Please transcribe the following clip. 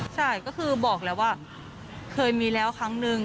ใช่ก็คือบอกแล้วว่าเคยมีแล้วครั้งนึง